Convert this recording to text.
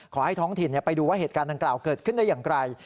ขอให้ท้องถิ่นไปดูว่าเหตุการณ์ดังกล่าวเกิดขึ้นได้อย่างไร